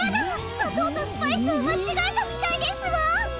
さとうとスパイスをまちがえたみたいですわ！